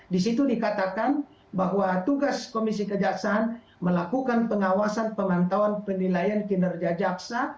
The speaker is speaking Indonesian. di situ dikatakan bahwa tugas komisi kejaksaan melakukan pengawasan pemantauan penilaian kinerja jaksa